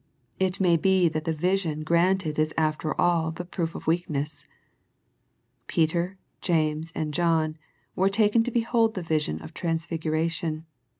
It may be that the vision granted is after all but proof of weakness. Peter, James, and John were taken to behold the vision of transfiguration.